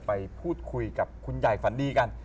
ไปพูดคุยกับคุณใหญ่ฝันดีกัน